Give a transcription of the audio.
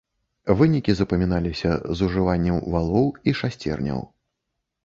Вынікі запаміналіся з ужываннем валоў і шасцерняў.